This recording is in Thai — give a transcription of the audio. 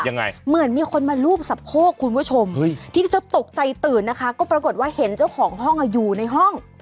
เหมือนมีคนมารูปสะโพกคุณผู้ชมทีนี้เธอตกใจตื่นนะคะก็ปรากฏว่าเห็นเจ้าของห้องอ่ะอยู่ในห้อง